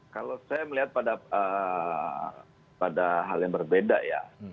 kalau saya melihat pada hal yang berbeda ya